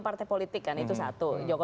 partai politik kan itu satu